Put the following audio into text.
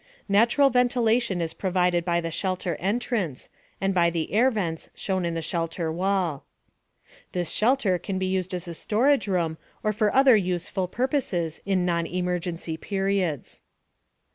Natural ventilation is provided by the shelter entrance, and by the air vents shown in the shelter wall. This shelter can be used as a storage room or for other useful purposes in non emergency periods.